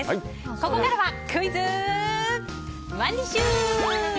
ここからはクイズＯｎｅＤｉｓｈ！